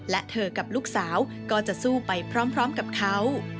และเธอกับลูกสาวก็จะสู้ไปพร้อมกับเขา